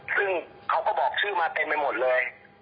ซึ่งเขาก็บอกชื่อมาเต็มไปหมดเลย